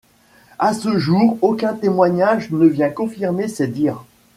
À ce jour, aucun témoignage ne vient confirmer ces dires.